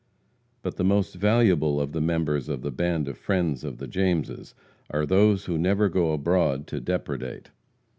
But the most valuable of the members of the band of friends of the Jameses are those who never go abroad to depredate.